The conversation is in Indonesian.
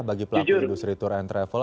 bagi pelaku industri tour and travel